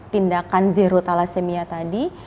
tindakan zero thalassemia tadi